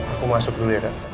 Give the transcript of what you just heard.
aku masuk dulu ya kak